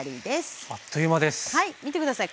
はい見て下さい。